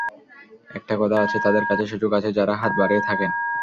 একটা কথা আছে, তাঁদের কাছে সুযোগ আছে যাঁরা হাত বাড়িয়ে থাকেন।